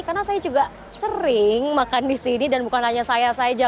karena saya juga sering makan di sini dan bukan hanya saya saja